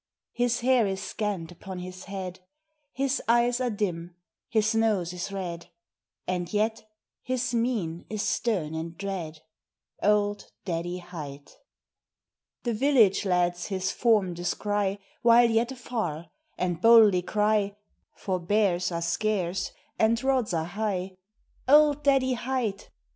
His hair is scant upon his head, His eyes are dim, his nose is red, And yet, his mien is stern and dread Old Daddy Hight. The village lads his form descry While yet afar, and boldly cry (For bears are scarce and rods are high) "Old Daddy Hight!"